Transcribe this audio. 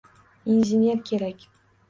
Injener kerak